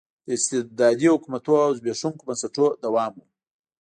د استبدادي حکومتونو او زبېښونکو بنسټونو دوام و.